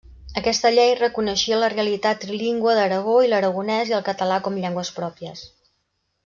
Aquesta llei reconeixia la realitat trilingüe d'Aragó i l'aragonès i el català com llengües pròpies.